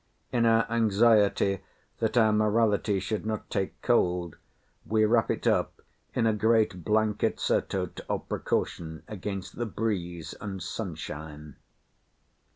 In our anxiety that our morality should not take cold, we wrap it up in a great blanket surtout of precaution against the breeze and sunshine.